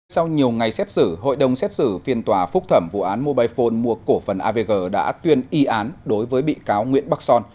sau nhiều ngày xét xử hội đồng xét xử phiên tòa phúc thẩm vụ án mobile phone mua cổ phần avg đã tuyên y án đối với bị cáo nguyễn bắc son